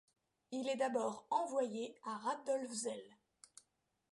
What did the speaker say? Il est d'abord envoyé à Radolfzell.